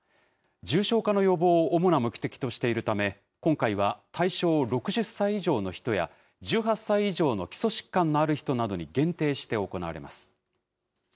重症化の予防を主な目的としているため、今回は対象を６０歳以上の人や、１８歳以上の基礎疾患のある人などに限定して行われます。